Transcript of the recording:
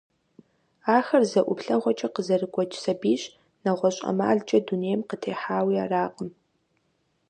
Ахэр зэ ӀуплъэгъуэкӀэ къызэрыгуэкӀ сабийщ, нэгъуэщӀ ӀэмалкӀэ дунейм къытехьауи аракъым.